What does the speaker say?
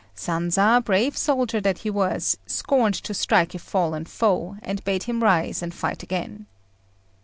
Sanza, brave soldier that he was, scorned to strike a fallen foe, and bade him rise and fight again.